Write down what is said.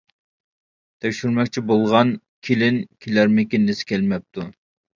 تەكشۈرمەكچى بولغان كېلىن كېلەرمىكىن دېسە، كەلمەپتۇ.